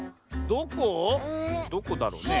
どこだろうね？